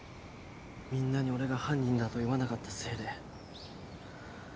みんなに俺が犯人だと言わなかったせいで。